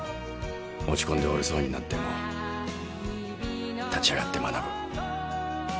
落ち込んで折れそうになっても立ち上がって学ぶ。